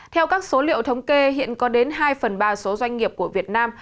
theo các số liệu thống kê hiện có đến hai phần ba số doanh nghiệp của việt nam